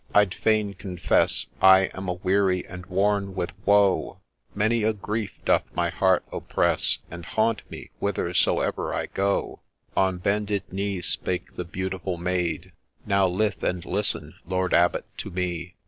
I'd fain confess ; JLj I am a weary, and worn with woe ; Many a grief doth my heart oppress, And haunt me whithersoever I go I ' On bended knee spake the beautiful Maid ; 1 Now lithe and listen. Lord Abbot, to me